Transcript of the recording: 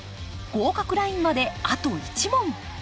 合格ラインまであと１問。